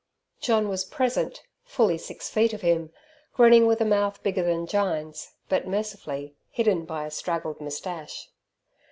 John was present, fully six feet of him, grinning with a mouth bigger than Jyne's, but mercifully hidden by a straggled moustache.